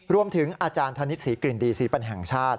รวมถึงอาจารย์ธนิษฐศรีกลิ่นดีศรีปัญแห่งชาติ